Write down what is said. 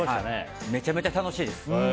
めちゃくちゃ楽しいです。